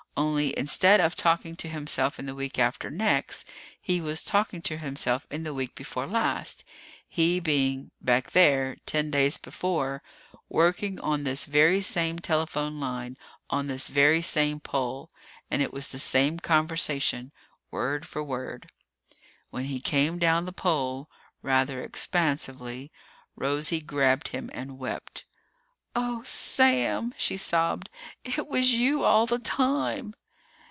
Only instead of talking to himself in the week after next, he was talking to himself in the week before last he being, back there ten days before, working on this very same telephone line on this very same pole. And it was the same conversation, word for word. When he came down the pole, rather expansively, Rosie grabbed him and wept. "Oh, Sam!" she sobbed. "It was you all the time!"